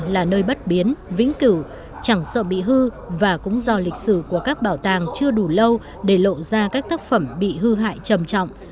là nơi bất biến vĩnh cửu chẳng sợ bị hư và cũng do lịch sử của các bảo tàng chưa đủ lâu để lộ ra các tác phẩm bị hư hại trầm trọng